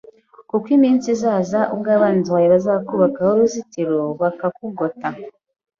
Kuko iminsi izaza ubwo abanzi bawe bazakubakaho uruzitiro bakakugota